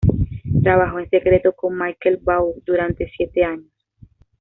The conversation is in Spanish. Trabajó en secreto con Michael Vaughn durante siete años.